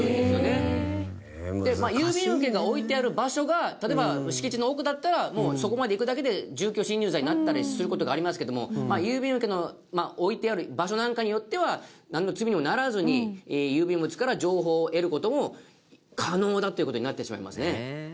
郵便受けが置いてある場所が例えば敷地の奥だったらもうそこまで行くだけで住居侵入罪になったりする事がありますけども郵便受けの置いてある場所なんかによってはなんの罪にもならずに郵便物から情報を得る事も可能だという事になってしまいますね。